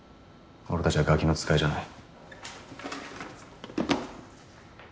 俺たちはガキの使いじゃない。